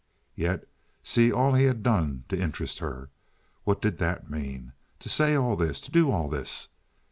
Yet see all he had done to interest her. What did that mean? To say all this? To do all this?